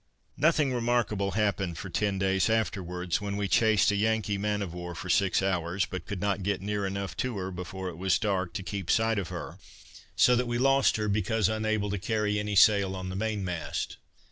Nothing remarkable happened for ten days afterwards, when we chased a Yankee man of war for six hours, but could not get near enough to her before it was dark, to keep sight of her; so that we lost her because unable to carry any sail on the mainmast.